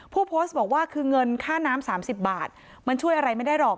ผู้โพสต์บอกว่าคือเงินค่าน้ำ๓๐บาทมันช่วยอะไรไม่ได้หรอก